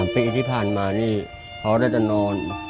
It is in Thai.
ปีที่ผ่านมานี่เขาได้จะนอน